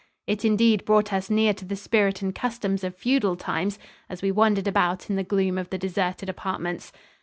It indeed brought us near to the spirit and customs of feudal times as we wandered about in the gloom of the deserted apartments.